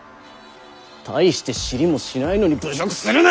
大して知りもしないのに侮辱するな！